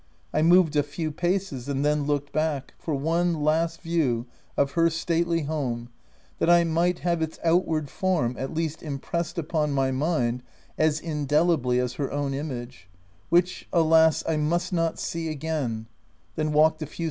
I moved a few paces, and then looked back, for one last view of her stately home, that I might have its outward form, at least impres sed upon my mind as indelibly as her own image, which alas